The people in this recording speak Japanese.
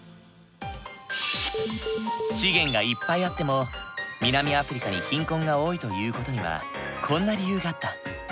資源がいっぱいあっても南アフリカに貧困が多いという事にはこんな理由があった。